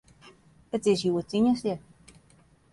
It is hjoed tiisdei.